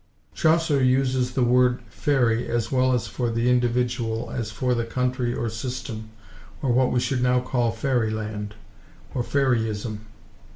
Chaucer uses the word faërie as well for the individual as for the country or system, or what we should now call fairy–land, or faryism.